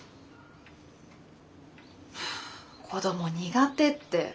子供苦手って。